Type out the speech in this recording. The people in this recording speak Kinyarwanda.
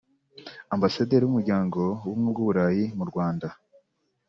Ambasaderi w’Umuryango w’Ubumwe bw’u Burayi mu Rwanda